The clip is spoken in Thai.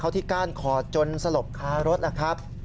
เขาทิ้งก้านคอจนสลบค้ารถนะครับ